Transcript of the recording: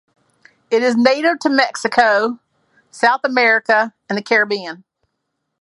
It is native to Mexico, South America and the Caribbean.